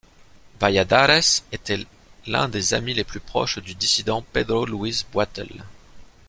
Valladares était l'un des amis les plus proches du dissident Pedro Luis Boitel.